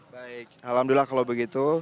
baik alhamdulillah kalau begitu